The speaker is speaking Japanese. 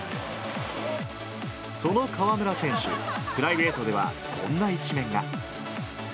その河村選手、プライベートでは、こんな一面が。